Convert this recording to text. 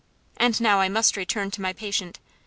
And now I must return to my patient.